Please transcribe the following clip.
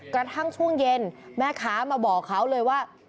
กระทั่งช่วงเย็นแม่ค้ามาบอกเขาเลยว่า